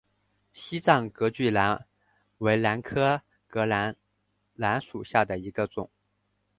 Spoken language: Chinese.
西藏隔距兰为兰科隔距兰属下的一个种。